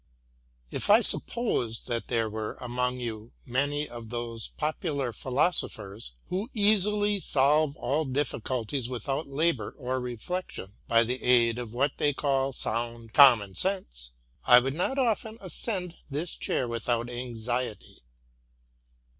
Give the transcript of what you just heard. If I supposed that there were among you many of those popular philosophers, who easily solve all difficulties without labour or reflection, by the aid of* what they call sound Common Sense, I would not often ascend this chair without anxiety.